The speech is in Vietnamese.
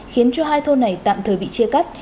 khiến cho hai thôn này tạm thời bị chia cắt